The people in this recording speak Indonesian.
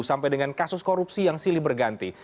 sampai dengan kasus korupsi yang silih berganti